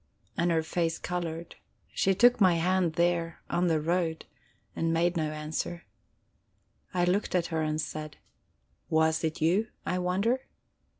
And her face colored; she took my hand there, on the road, and made no answer. I looked at her, and said: "Was it you, I wonder?"